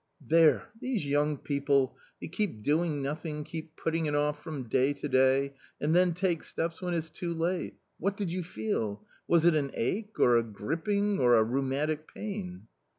" There, these young people ! they keep doing nothing, keep putting it off from day to day, and then take steps when it's too late ! What did you feel ? was it an ache or a griping or a rheumatic pain